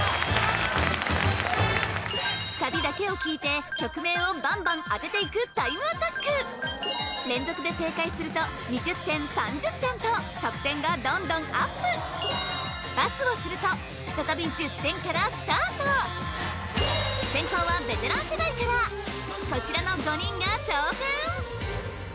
サビだけを聴いて曲名をバンバン当てていくタイムアタック連続で正解すると２０点３０点と得点がどんどんアップ先攻はベテラン世代からこちらの５人が挑戦